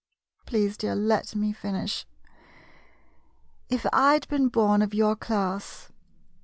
Please, dear, let me finish. If I M been born of your class